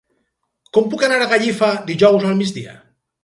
Com puc anar a Gallifa dijous al migdia?